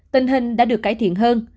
tình hình đã được cải thiện hơn